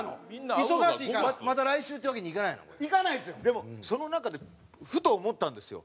でもその中でふと思ったんですよ。